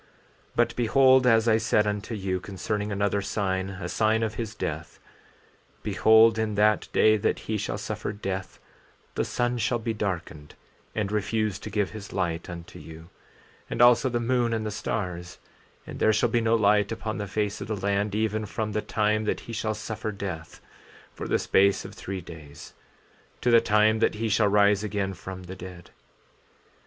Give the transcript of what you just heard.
14:20 But behold, as I said unto you concerning another sign, a sign of his death, behold, in that day that he shall suffer death the sun shall be darkened and refuse to give his light unto you; and also the moon and the stars; and there shall be no light upon the face of this land, even from the time that he shall suffer death, for the space of three days, to the time that he shall rise again from the dead.